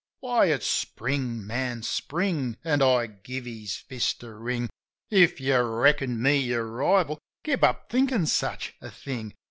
"Why, ifs Spring, man. Spring!" (An' I gave his fist a wring) "If you reckoned me your rival, give up thinkin' such a thing.